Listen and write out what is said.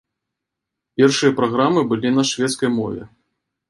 Першыя праграмы былі на шведскай мове.